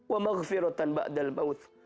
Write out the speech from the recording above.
wa maghfiratan ba'dal mauth